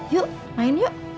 yuk main yuk